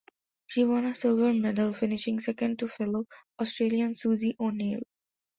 She won a silver medal, finishing second to fellow Australian Susie O'Neill.